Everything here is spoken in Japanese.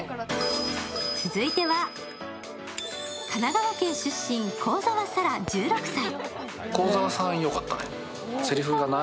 続いては、神奈川県出身、幸澤沙良、１６歳。